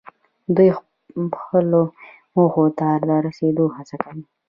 دوی خپلو موخو ته د رسیدو هڅه کوي.